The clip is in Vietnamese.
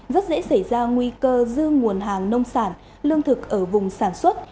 rất dễ xảy ra nguy cơ dư nguồn hàng nông sản lương thực ở vùng sản xuất